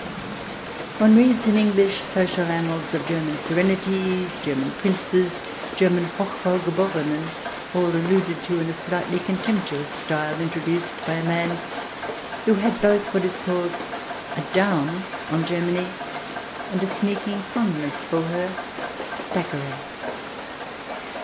One reads in English social annals of German Serenities, German Princes, German Hochwohlgeborenen, all alluded to in the slightly contemptuous style, introduced by a man who had both what is called a " down " on Germany, and a sneaking fondness for her — Thackeray.